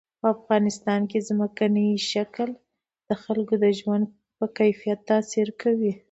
په افغانستان کې ځمکنی شکل د خلکو د ژوند کیفیت تاثیر کوي.